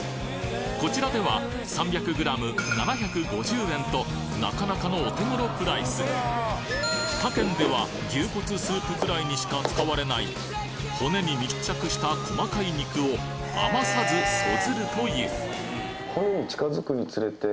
こちらでは３００ｇ７５０円となかなかのお手頃プライス他県では牛骨スープくらいにしか使われない骨に密着した細かい肉を余さずそ